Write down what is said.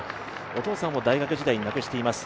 お父さんを大学時代に亡くしています。